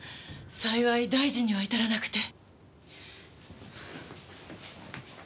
幸い大事には至らなくて。